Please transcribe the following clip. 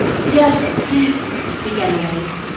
"Yes. He " began the maid.